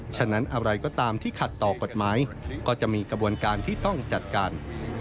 ฉะนั้นอะไรก็ตามที่ขัดต่อกฎหมายก็จะมีกระบวนการที่ต้องจัดการ